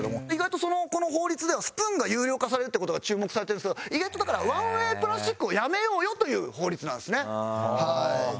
意外とこの法律ではスプーンが有料化されるって事が注目されてるんですけど意外とだからワンウェイプラスチックをやめようよという法律なんですね。